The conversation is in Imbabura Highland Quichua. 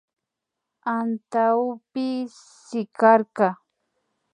Antawpi sikarka